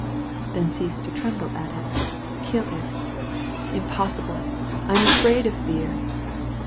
"Then cease to tremble at it; kill it." "Impossible. I am afraid of fear."